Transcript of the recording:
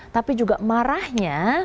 tapi juga marahnya